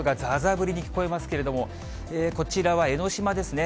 降りに聞こえますけれども、こちらは江の島ですね。